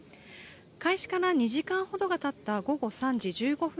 開始から２時間ほどがたった午後３時１５分